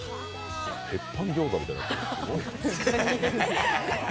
鉄板餃子みたいになってる。